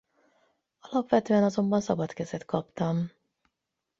Alapvetően azonban szabad kezet kaptam.